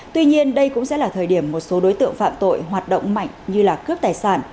tuy nhiên đây cũng sẽ là thời điểm một số đối tượng phạm tội hoạt động mạnh như là cướp tài sản